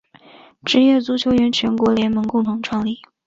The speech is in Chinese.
职业足球员全国联盟共同创立。